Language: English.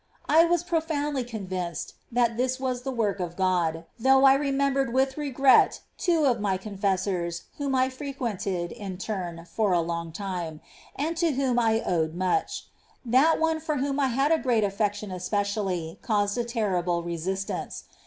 I vfas profoundly convinced that this was the work of God, though I remembered with regret two of my confessors whom I frequented in turn for a long time, and to whom I owed much ; that one for whom I have a great affection espe cially caused a terrible resistance.